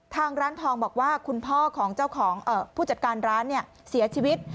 ทางร้านทองบอกว่าคุณพ่อของเจ้าของผู้จัดการร้านเสียชีวิต